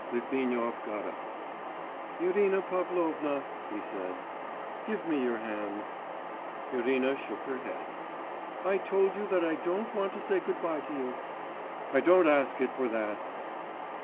Litvinov got up. 'Irina Pavlovna,' he said, 'give me your hand.' Irina shook her head. 'I told you that I don't want to say good bye to you....' 'I don't ask it for that.